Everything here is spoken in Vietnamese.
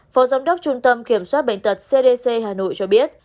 phó giám đốc trung tâm kiểm soát bệnh tật cdc hà nội cho biết